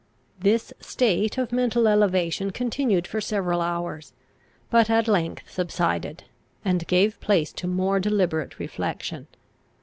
This state of mental elevation continued for several hours, but at length subsided, and gave place to more deliberate reflection.